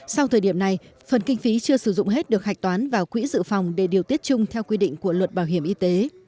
sau thời điểm này phần kinh phí chưa sử dụng hết được hạch toán vào quỹ dự phòng để điều tiết chung theo quy định của luật bảo hiểm y tế